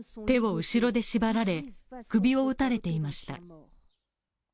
手を後ろで縛られ、首を撃たれていました。